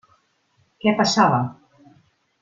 Què passava?